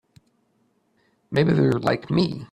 Maybe they're like me.